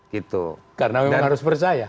gitu karena memang harus percaya